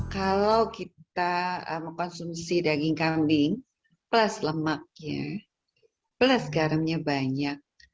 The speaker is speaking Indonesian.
kalau kita mengkonsumsi daging kambing plus lemaknya plus garamnya banyak